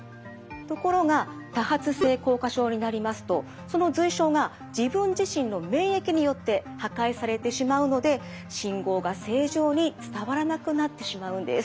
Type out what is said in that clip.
ところが多発性硬化症になりますとその髄鞘が自分自身の免疫によって破壊されてしまうので信号が正常に伝わらなくなってしまうんです。